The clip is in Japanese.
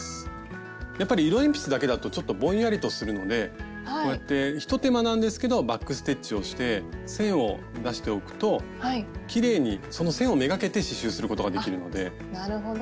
やっぱり色鉛筆だけだとちょっとぼんやりとするのでこうやって一手間なんですけどバック・ステッチをして線を出しておくときれいにその線を目がけて刺しゅうすることができるので。